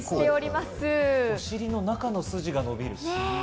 お尻の中の筋が伸びる。